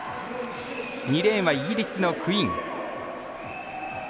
２レーンは、イギリスのクイン。